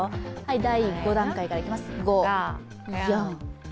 第５段階から行きます。